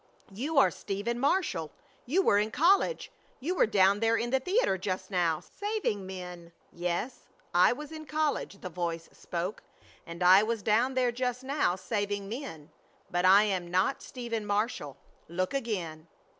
You are Stephen Marshall. You were in college. You were down there in the theater just now, saving men." "Yes, I was in college," the Voice spoke, "and I was down there just now, saving men. But I am not Stephen Marshall. Look again."